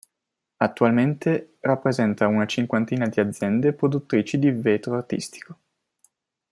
Attualmente rappresenta una cinquantina di aziende produttrici di vetro artistico.